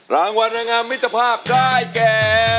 รางวัฒนากรรมมิตรภาพได้แก